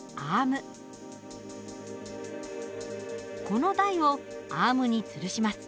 この台をアームにつるします。